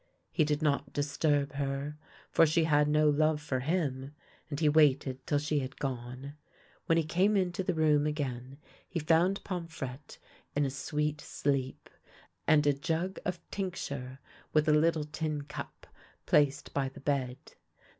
He did not disturb her, for she had no love for him, and he waited till she had gone. When he came into the room again he found Pomfrette in a ii8 THE LANE THAT HAD NO TURNING sweet sleep, and a jug of tincture, with a little tin cup, placed by the bed.